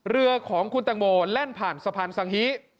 เรือของคุณตังโมแล่นผ่านสะพานสังฮี